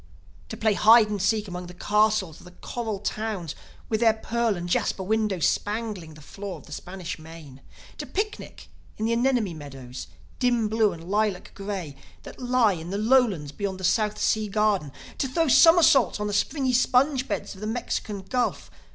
To play hide and seek among the castles of the coral towns with their pearl and jasper windows spangling the floor of the Spanish Main! To picnic in the anemone meadows, dim blue and lilac gray, that lie in the lowlands beyond the South Sea Garden! To throw somersaults on the springy sponge beds of the Mexican Gulf!